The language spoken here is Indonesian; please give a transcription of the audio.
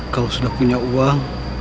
kalo sudah punya uang